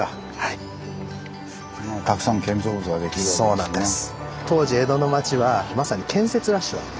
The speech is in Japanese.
ああそうなんです。